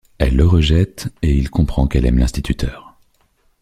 Elle le rejette et il comprend qu'elle aime l'instituteur.